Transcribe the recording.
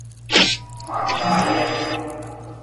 А тај је?